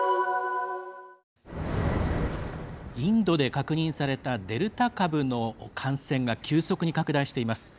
インドで確認されたデルタ株の感染が急速に拡大しています。